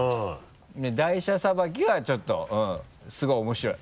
「台車さばき」はちょっとすごい面白い。